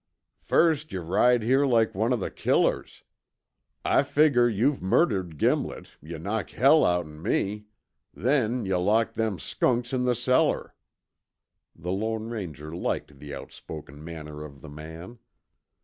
"First yuh ride here like one of the killers. I figger you've murdered Gimlet, yuh knock hell outen me. Then, yuh lock them skunks in the cellar!" The Lone Ranger liked the outspoken manner of the man.